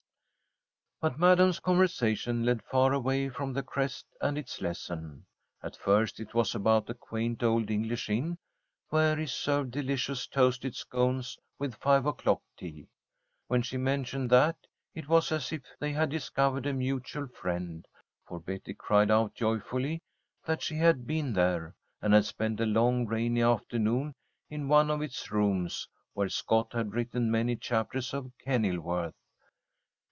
[Illustration: "MADAM'S CONVERSATION LED FAR AWAY FROM THE CREST AND ITS LESSON"] But Madam's conversation led far away from the crest and its lesson. At first it was about a quaint old English inn, where is served delicious toasted scones with five o'clock tea. When she mentioned that, it was as if they had discovered a mutual friend, for Betty cried out joyfully that she had been there, and had spent a long rainy afternoon in one of its rooms, where Scott had written many chapters of "Kenilworth."